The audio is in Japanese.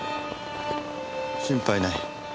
心配ない。